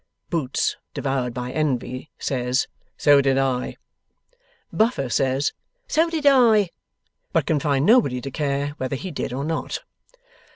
Boots (devoured by envy) says, 'So did I.' Buffer says, 'So did I'; but can find nobody to care whether he did or not.